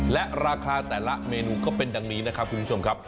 และราคาแต่ละเมนูก็เป็นดังนี้นะครับคุณผู้ชมครับ